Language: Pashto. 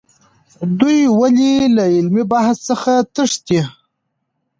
دوی ولې له علمي بحث څخه تښتي؟